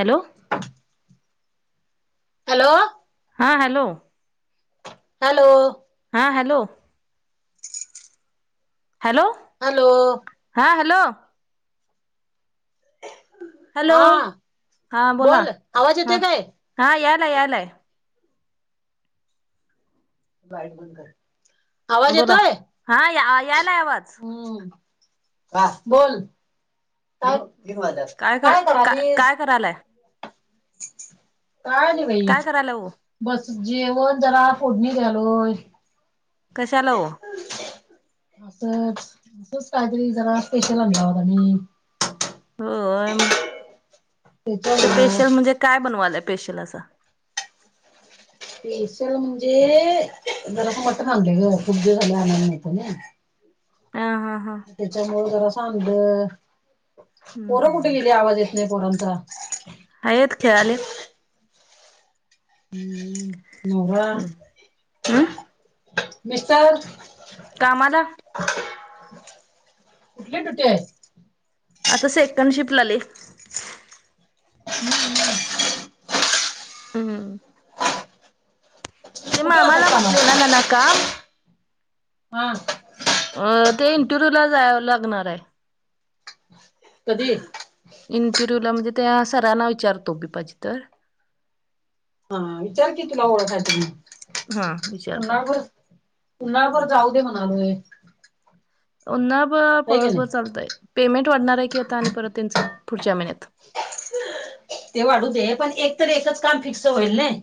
Hello. Hello. हा hello. Hello. हा hello hello. Hello. हां हॅलो. हॅलो हा हा बोला बोल आवाज ह येतोय काय हा यालाय यालाय. आवाज बोला येतोय हा या यायलाय आवाज हम्म. का बोल काज काय करालीस? करालाय. काय नि भाई काय करायला हो बस जेवण जरा फोडणी दालोय. कशा आला ओ? असरी जरा स्पेशल आ होम ते त्याच्या फेशियल म्हणजे काय बनवालंय फेशियल असं? तेशल म्हणजे जरा समट थांबलं ग खुगद झाल्या आला मित ना ह हा हां. त्याच्यामु जरा सांड पोरं हम्म कुठे गेली आवाज येत नाही पोरांचा? आहेत खेळालेत. हम्म हम् नभ मिस्टर कामाला कुठले तुठे आहे. आता सेकंड शिफ्टला आले. ह हम. हम्म तेग कुठे जातात मामाला म्हटले ना कामाला ना ना काम. हा अ ते इंटरव्ह्यू ला जावं लागणार आहे. कधी? इंटरव्ह्यू ला म्हणजे त्या सरांना विचारतो बी पाजी तर हा विचार कतीला ओळ्यासाठीने हा विचारतो. पुन्हावरर उ्हापर जाऊ दे म्हणालोय. ्हा ब आहे की पासर नाही चालतंय पेमेंट वाढणार आहे की आता आणि परत त्यांचं पुढच्या महिन्यात. ते वाढू दे पण एकत एकच काम फिक्स होईल नाही.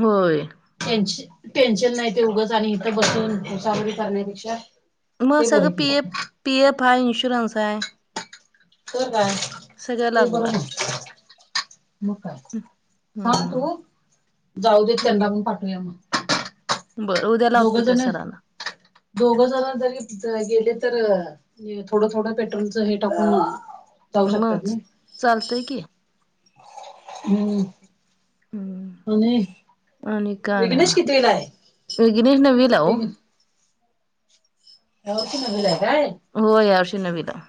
होय. टेन्श टेन्शन नाही ते उघंच आणि इथ बसून सावररी करण्यापेक्षा म ते हसं बरं गं पी की एफ पी एफ हय इनशरन्स हय तर काय ते लागू बरं आहे. नाही मग काय सांग हम्म तू जाऊ देेत त्यांडा पण पाठवया मग बरं उद्या दोघ लावतो त्या जण सरांना दोघ जण जरी गेले तर थोडं थोडं पेट्रोलचं हे टाकून जाऊ म शकतात ना चालतंय की हम्म आणि आणि काय नाही वघ्नेश बघा कितीविला आहे विघ्नेश नववीला ओ अ कि मला आहे काय हो यावर्षी नवित आहे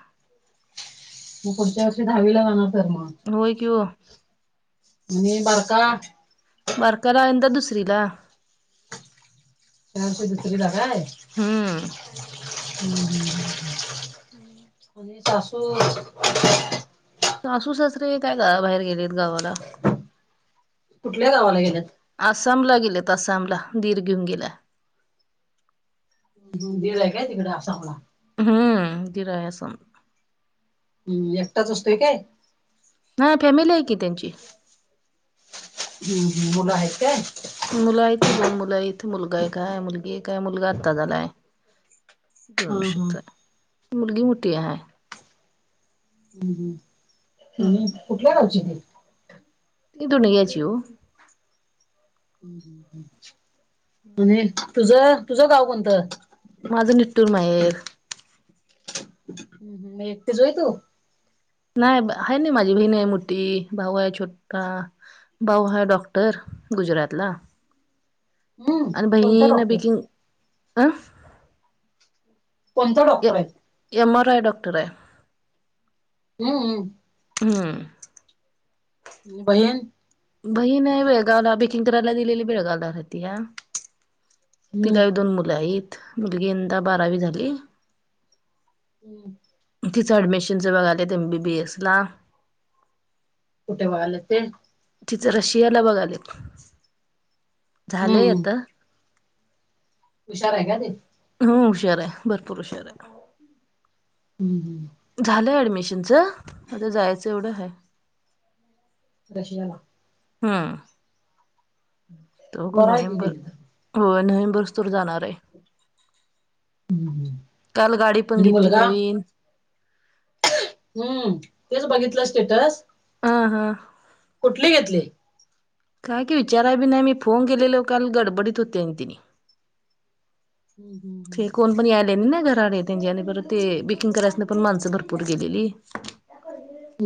मग पुढच्या वर्षी दहावीला राहणार तर मग हो कू आणि बारका बारका आहेंदा दुसरी ला चारश दु तरी लाकाा आहे हम्म हम ह हम्म आणि ासू सासू सासरे काय का बाहेर गेलेत गावाला? कुठल्या गावाला गेले आहेत आसामला गेलेत आसामला दीर घेऊन गेला आहे. दिलाय काय तिकडे आसामला? हम्म, दिलाय असन. एकटाच असतोय काय? ह फॅमिली आहे की त्यांची. हम्म, मुल आहेत का? मुल आहे की दोन मुल आहे एक मुलगा आहे एक मुलगी आहे मुलगा आता झालाय. हा दोन हा शेत हाय मुलगी मोठी हाय. हम हम आणि हम्म कुठल्या गावची विहीर मी दोनग्याची हो. आणि तुझ, तुझं गाव कोणतं? माझं निटूल माहेर हम हम एकटीच होय तू? नाही आहे न माझी बहिण आहे मोठी भाऊ आहे छोटा भाऊ आहे डॉ. गुजरातला हम्म आणि बहिण कोणता आहे न डॉक्टर? बाकी कोणता डॉक्टर आहे एम. आर. आर. डॉक्टर आहे हम्म, हम्- हम्म. बहिण बही नाही बेळगावला बेकिग कराय दिललशशशौ तिला हम्म. दोन मुल आहेत मुलगी यंदा बारावी झाली आहे. [unintelligible] तिच एडमिशनच बघायचं आहे एम. बी. बी. एस. ला कुठे व्हाल ते तिच रशियाला बघालेत झालय हम्म आता हुशार आहे का ते हम, हुशार आहे भरपूर हुशार आहे. हम्, हम्, झालं एडमिशनच आता जायचं एवढं आहे रशियाला हम्म दोघं बरं आहे की नोव्हेंबर गेले तर नोव्हेंबरलाच जाणार आहे. काल गाडी पण आणि घेतली मुलगा नवीन हम्म तेच बघितलं स्टेटस हं हं कुठले घेतले काय की विचारायला बी नाही मी फोन केल गडबडीत होते ती हम्म हम् ते हम् कोण पण आले ना घराडे त्यांच्या आणि परत ते बेकिंग करायच नाही पण माणसं भरपूर गेलेली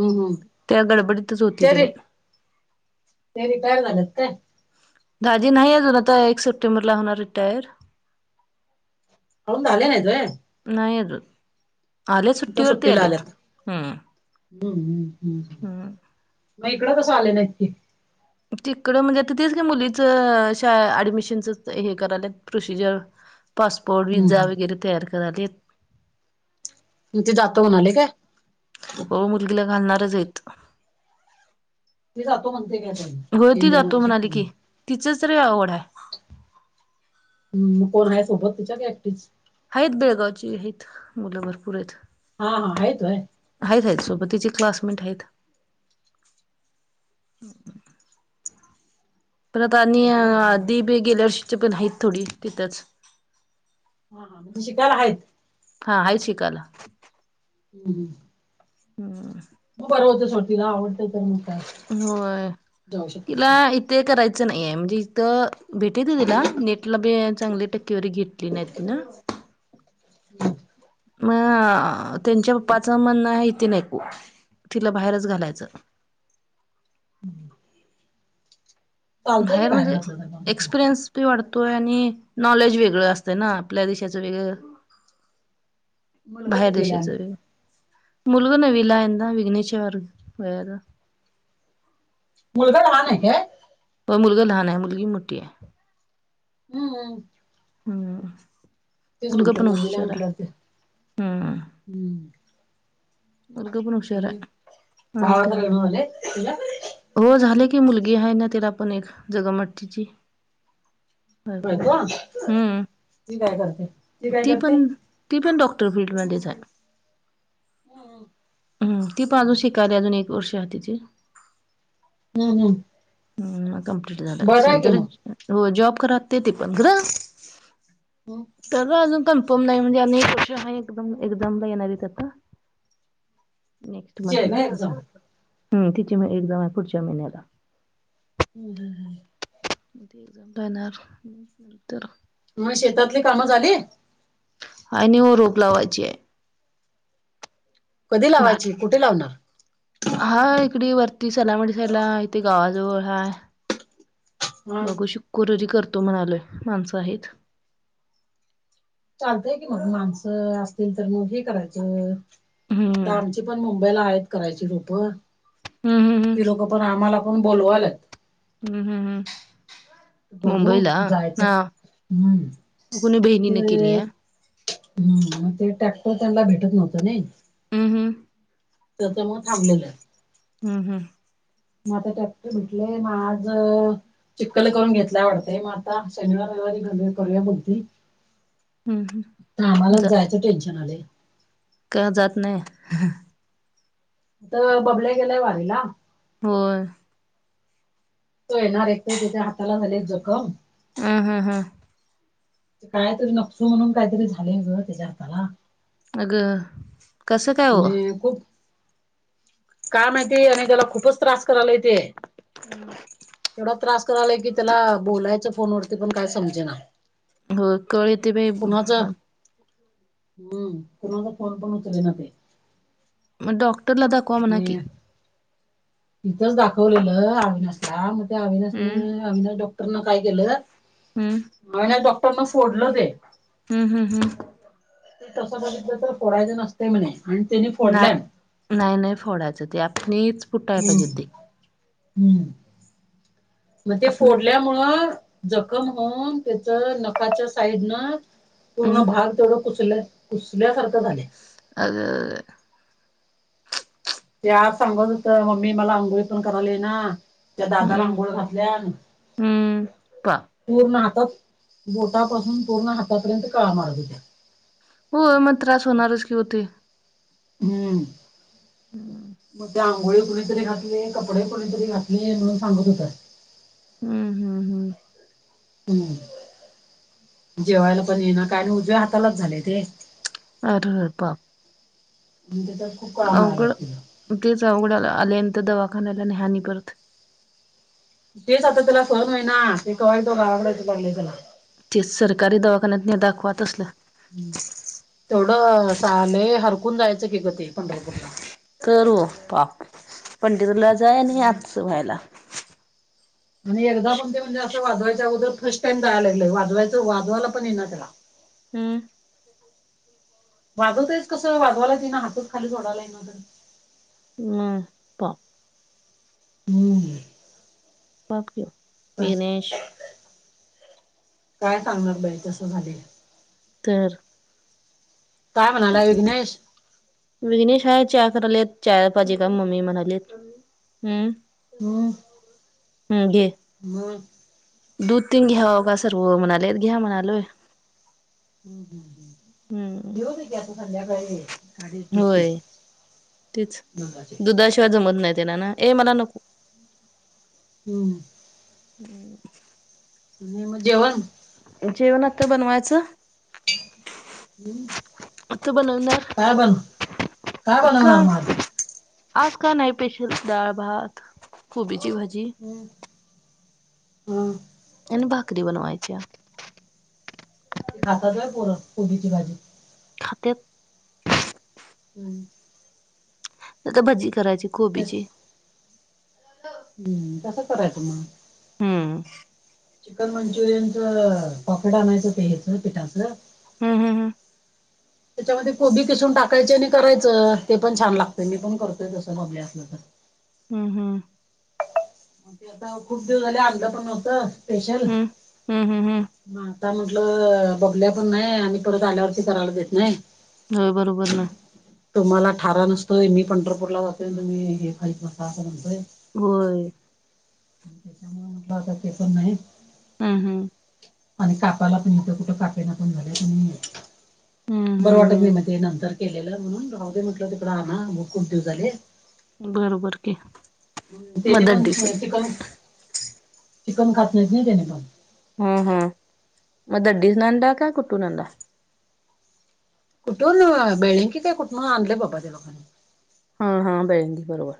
हम्म त्या गडबडीतच होती ते रि तिने ते रिटायर झाले आहेत काय दाजी नाही आहे अजुन आता एक सप्टेंबरला होणार रिटायर होऊन झाल नाहीत व्हय. नाही अजुन त्या सुट्टीला आल्यात हम्म हम्म. मग इकडं कसं आले नक्की. तिकडं म्हणजे आता तेच का मुलीचंा ऍडमिशनच हे करायला प्रोसिजर पासपोर्ट वि्हजा वगैरे तयार कराले. मग ते जातं म्हणाले काय. हो मुलगीला घालणारच आहेतेत. ते जातो म्हणते का त्यां. घळती जातो म्हणाली की तिच तरी आवड आहे. हम मग कोण आहे सोबत तुच्या ग क्टी आहेत बेळगावची आहेत मुलं भरपूर आहेत. हा हा आयतोय. आहेत आहेत सोबत तिचे क्लासमेट आहेत. परत आणि आहेत व्हय? आधी बी गेल्यावरष पण आहेतत थोडी तिथेच. हा हा शिकायला आहेत. हा आहे शिकला. हम् हम. हम मग बर होतच होटतीला आवडतय तर मग. काय हो जाऊ तिला शकते इथे करायचं नाहीये म्हणजे इथं भेटे त तिला नेटला बी चांगली टक्क्यावरारी घेतली नाही ति नां. [inaudible] मग त्यांच्या पप्पाच म्हणण आहेथ नाहीऐकू तिला बाहेरच घालायचं. हम्. बाहेर म्हणजे एक्सपिरियन्स. त वाटतोय आणि नॉलेज वेगळं असतंय ना आपल्या देशाचं वेगळं. मुलगा बाहेर कितवीला देशा आहे मग? जावे. मुलगु ना वलायंद विघ्नच्या वार व. मुलगाड वा आहे का? पण मुलगा लहान आहे मुलगी मोठी आहे. हम्म हम् हम्म मल का म्हटलं आपण नववीला विचारा. म्हटलं ते हम्म अकपण उषार आणि आणिन का? भावाचं लग्न झाले तुझ्या हो झाले की मुलगी आहे ना तला पण एक जगमट्टीची. ह बायको ती हम्म काय करते काय ती करते पण. ती पण डॉक्टर फीलडमध्ये जा आहे. हम्म हम ती पण अजून शिकायली अजून एक वर्ष तिची. हम्म हम् ह कमप्लीट झालंे तर मग हो जॉब क ते ते पण घर. हम्म. तर अजून कमपम नाही म्हणजे अनेक वष आहे एकदम एकदमला येणारी त्याता नेक्स्ट तिची आहे मंथला का एक्झाम हम् तिची एकदम आहे पुढच्या महिन्याला हम् हम हम् ते एगझा बॅनार नंतर. मग शेतातली कामं झाली? आणि व रोप लावायची आहे. कधी भात लावायची कुठे लावणार. हा इकडे वरती सलामणी सला इथे गावाजवळ हा हा बघू शुकुरवारी करतो म्हणालोय माणसं हायीत. चालतय की मग माणसं असतील तर मग हे करायचं. हम्म आता आमची पण मुंबईला आहेत करायची रोप. हम्म -हम्म हम्म ती लोक पण आम्हाला पण बोलवाल्यात. हम्म- हम्म -हम्म बघू मुंबईला, जायचं हा हम्म म कुणी ते बहिणीने केलीया. हम्म म ते ट्रॅक्टर त्यांनला भेटत नव्हतं नय. अ हम्म त्याच्यामूळ थांबलेलं. हम्म -हम्म म आता ट्रॅक्टर भेटलय मग आज, चिक्कल करून घेतलाय वाटतय मग आता शनिवार- रविवारी घाल-करूया म्हणतुय. हम्म हम्म आता आम्हालाच जा जायचं टेन्शन आलय. का जात नाही? त बबल्या गेलाय वारीला. होय. तो येणार, एक तर त्याच्या हाताला झाल्या जखम. आ. हा. हा कायतरी नक्सु म्हणून कायतरी झालय ग त्याच्या हाताला. अगं कसं काय हो मी खूप का माहिती, आणि त्याला खूपच त्रास करायलय तेे. हम्म एवढा त्रास करालय की त्याला बोलायचं फोन वरती पण काय समजेना. होय, कळ येते बाई कुणाचं हा हम्म कुणाचा फोन पण उचलेना ते. मग डॉक्टरला दाखवा म्हणा आणि की. तिथंच दाखवलेलं अविनाशला, मग त्या अविनाशन हम्म त्या अविनाश डॉक्टर न काय केलं? हम्म अविनाश डॉक्टरनं फोडलं ते. हम्म -हम्म -हम्म तसं बघितलं तर फोडायचं नसतय म्हणे आणि त्यानी नाही फोडल्यात. नाही- नाही फोडायचं ते आपनीच हम्म हम्म [inaudible] मग ते आपण फोडल्यामुळं जखम होऊन त्याच नखाच्या साइडनं पूर्ण हम्म भाग तेवढं कुसल- कुसल्यासारखं झालय. अग बाई. [unintelligible] ते आज सांगत होत मम्मी मला आंघोळी पण करायला येईना. त्या दादान हम्म आंघोळ घातल्यान. पाप पूर्ण हातात, बोटापासून पूर्ण हातापर्यंत कळा माराल्यात. होय, मग त्रास होणारच की ओ ते. हम्म हम्म मग ते आंघोळी कुणीतरी घातली, कपडे कुणीतरी घातले म्हणून सांगत होत. हम्म- हम्म- हम्म हम्म जेवायला पण ये ना काय आणि उजव्या हातालाच झाले ते. अर.... पाप [unintelligible] मारायला अवघड, तिला तेच अवघड, आल्यानी तर दवाखान्याला न्ह्या आणि परत. तेच आता त्याला सहन होईना. मी कवा येतोय गावाकड अस झालंय त्याला. ते सरकारी दवाखान्यात न्या दाखवा तसलं. तेवढं स आले हरपून जायचं कि ग ते पंढरपूरला. करू पाप पंढपुरला जाय आणि आजच व्हायला. आणि एकदा पण ते म्हणजे असं वाजवायच्या अगोदर फर्स्ट टाइम जायला लागलंय वाजवायच वाजवायला पण ये ना त्याला. हम्. प [inaudible] वाजवतयस कसं वाजवायलाच येई ना हातच खाली सोडायला ये ना. हम्. हम्म. बाक्य, बस विनेश. काय सांगणार बाई तसं झाले. तर. काय म्हणालाय विघ्नेश? विघ्नेश आहे चहा करायला चहा पाहिजे का मम्मी म्हणालीत. हम्म हम्म. हम्, घे हम [unintelligible] दूध पिऊन घ्या का सर्व म्हणाले घ्या म्हणालोय. हम्म घेऊ दे की आता संध्याकाळी. गाडी सुटते होय, तेच नंदाचे दुधाशिवाय जमत नाही त्याला ना, ए मला नको. हम. हम्म [inaudible] आणि मग जेवण. जेवण आत्ता बनवायचं ठीक आता बनवणार [inaudible] काय बन काय का बनवणार म आज. आज का नाही स्पेशल, डाळ, भात, कोबीची भाजी ह [inaudible] आणि भाकरी बनवायची. ते खातात वय पोर कोबीची भाजी? खातेत. हम्म [inaudible] नायतर भजी करायची कोबीची. हम्म, तसं करायच मग. हम्म. चिकन मंचुरियनच पॉकेट आणायचं ते हचं पिठाचं. हम, हम, हम, त्याच्यामध्ये कोबी किसून टाकायचे आणि करायचं ते पण छान लागतय मी पण करतोय तसं बबले असलं तर. हम्म, हम्म, म्हणजे आता खूप दिवस झाले आणलं पण नव्हत स्पेशल हम्म हम्म हम्म हम्म हम्म म आता म्हटलं बबल्या पण नाही आणि परत आल्यावरती करायला येत नाही. हा बरोबर ना. तुम्हाला ठारा नसतोय मी पंढरपूर ला जातो मी हे खाईत बसा असं म्हणतोय. होय. त्याच्यामुळे म्हटलं आता ते पण नाही. हम्, हम्, आणि कापाला पण इथं कुठं कापेना पण झाल्या पण हम्म बरं हम्म वाटत नाही मग हम्म ते नंतर केलेलं म्हणून राहू दे म्हटलं तिकडं आण ना खूप दिवस झाले. बरोबर कि त्याने पण चिकन चिकन खात नाहीच नाही त्याने पण हम्म हम मग दडडी ना काय कुट्टू ना? कुठून, बेळंकी की काय कुठून आणल बाबा त्या लोकांनी. हा, हा बेळंकी बरोबर